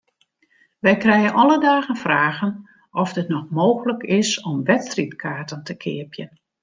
Wy krije alle dagen fragen oft it noch mooglik is om wedstriidkaarten te keapjen.